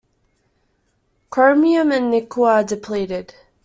Chromium and nickel are depleted.